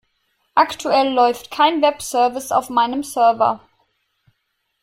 Aktuell läuft kein Webservice auf meinem Server.